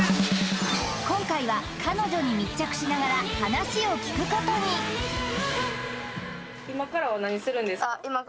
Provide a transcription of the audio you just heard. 今回は彼女に密着しながら話を聞くことに今からは何するんですか？